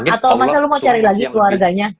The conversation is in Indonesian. atau masa lu mau cari lagi keluarganya